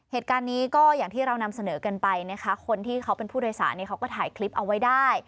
เหตุการณ์นี้ก็อย่างที่เรานำเสนอกันไปนะคะคนที่เขาเป็นผู้โดยสารเนี่ยเขาก็ถ่ายคลิปเอาไว้ได้